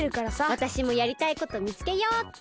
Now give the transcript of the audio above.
わたしもやりたいことみつけよっと。